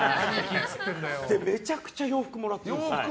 めちゃくちゃ洋服をもらってるんですよ。